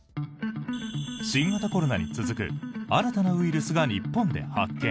新型コロナに続く新たなウイルスが日本で発見。